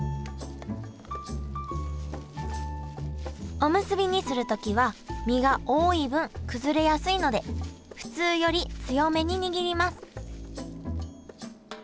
おむすびにする時は身が多い分崩れやすいので普通より強めに握ります